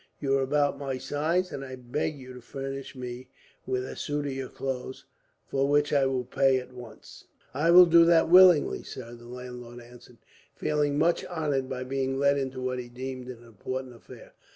You are about my size, and I beg you to furnish me with a suit of your clothes, for which I will pay at once." "I will do that willingly, sir," the landlord answered, feeling much honoured by being let into what he deemed an important affair.